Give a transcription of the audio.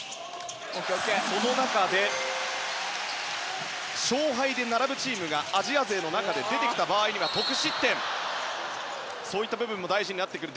その中で、勝敗で並ぶチームがアジア勢の中で出てきた場合には得失点そういった部分も大事になってくる。